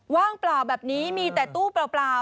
ว่างเปล่าแบบนี้มีแต่ตู้เปล่า